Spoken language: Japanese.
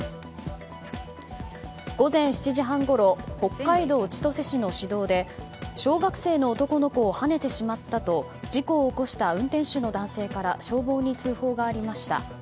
午前７時半ごろ北海道千歳市の市道で小学生の男の子をはねてしまったと事故を起こした運転手の男性から消防に通報がありました。